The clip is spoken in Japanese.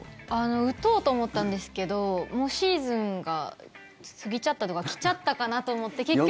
打とうと思ったんですけどもうシーズンが過ぎちゃったとか来ちゃったかなと思って結局。